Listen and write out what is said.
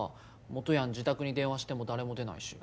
もとやん自宅に電話しても誰も出ないし。